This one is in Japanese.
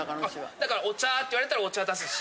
だからお茶って言われたらお茶出すし。